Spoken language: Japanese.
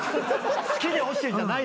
・好きで落ちてるんじゃないのよ。